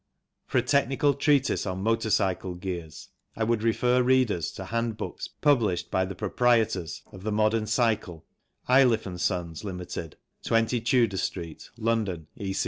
For a technical treatise on motor cycle gears, I would refer readers to handbooks published by the proprietors of The Modern Cycle, Iliffe & Sons, Ltd., 20 Tudor Street, London, E.